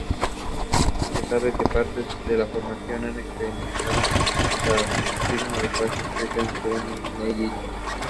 Se sabe que partes de la formación han experimentado metamorfismo de facies prehnita-pumpellyíta.